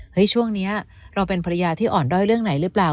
ช่วงนี้เราเป็นภรรยาที่อ่อนด้อยเรื่องไหนหรือเปล่า